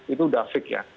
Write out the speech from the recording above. itu sudah fake ya